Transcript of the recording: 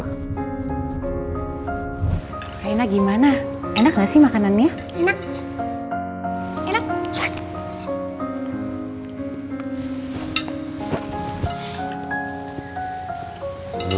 aku ngak tutup